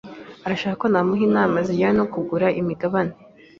arashaka ko namuha inama zijyanye no kugura imigabane.